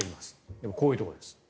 でも、こういうところです。